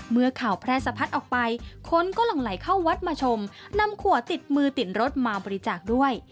เมื่อข่าวแพร่สะพัดออกไปคนก็หลั่งไหลเข้าวัดมาชมนำขัวติดมือติดรถมาบริจาคด้วย